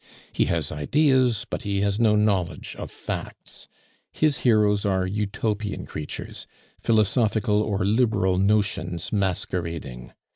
He has ideas, but he has no knowledge of facts; his heroes are utopian creatures, philosophical or Liberal notions masquerading.